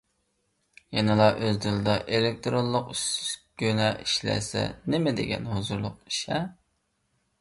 يەنىلا ئۆز تىلىدا ئېلېكتىرونلۇق ئۈسكۈنە ئىشلەتسە نېمىدېگەن ھۇزۇرلۇق ئىش-ھە.